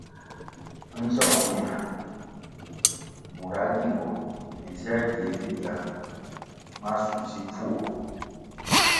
Nzong nina mura gímbo ne nzier gie bigya masusi bvuo.